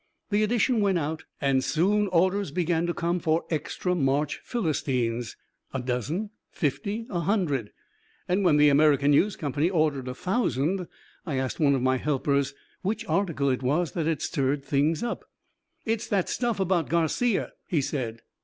The edition went out, and soon orders began to come for extra March "Philistines," a dozen, fifty, a hundred; and when the American News Company ordered a thousand I asked one of my helpers which article it was that had stirred things up. "It's that stuff about Garcia," he said.